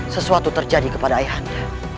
sesuatu terjadi kepada ayah anda